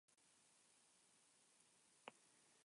Todos los juegos fueron publicados por Microsoft Game Studios.